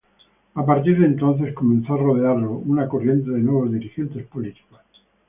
A partir de entonces, comenzó a rodearlo una corriente de nuevos dirigentes políticos.